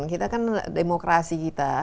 kita kan demokrasi kita